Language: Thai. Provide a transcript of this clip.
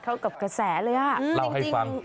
เข้ากับบรรยากาศเค้ากับกระแสเลย